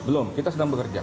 belum kita sedang bekerja